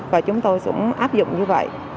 và chúng tôi cũng áp dụng như vậy